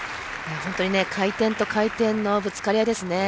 本当に回転と回転のぶつかり合いですね。